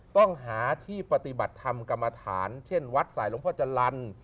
ต้องหาที่ปฏิบัติธรรมกรรมฐานเช่นวัดสายหลวงพ่อจรรย์